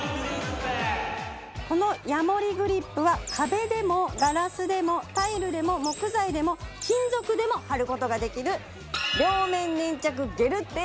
このヤモリグリップは壁でもガラスでもタイルでも木材でも金属でも貼る事ができる。